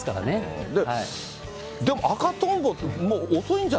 でも赤とんぼ、もう遅いんじ